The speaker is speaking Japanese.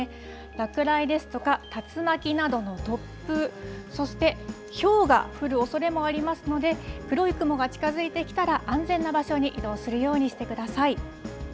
落雷ですとか、竜巻などの突風、そして、ひょうが降るおそれもありますので、黒い雲が近づいてきたら安全な場所に移動するようにしてください。